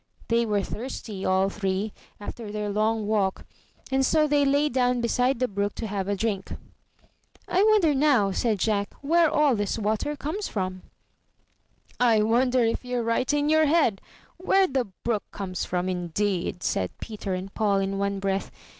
They were thirsty, all three, after their long walk, and so they lay down beside the brook to have a drink. ''I wonder now,'* said Jack, where all this water comes from." *'I wonder if youVe right in your head. Where the brook comes from, indeed!'' said Peter and Paul in one breath.